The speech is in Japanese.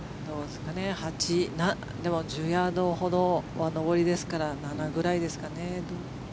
１０ヤードほどは上りですから７ぐらいですかね。